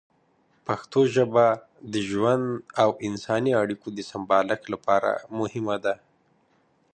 پښتو ژبه د ژوند او انساني اړیکو د سمبالښت لپاره مهمه ده.